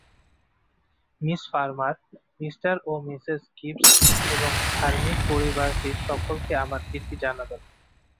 Miss Farmer, Mr ও Mrs Gibbons এবং ধার্মিক পরিবারটির সকলকে আমার প্রীতি জানাবেন।